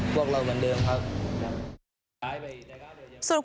คู่กรณีก็คือเด็กชายแทน